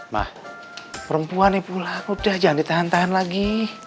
mah perempuan nih pulang udah jangan ditahan tahan lagi